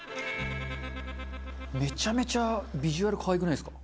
めちゃめちゃビジュアル可愛くないですか？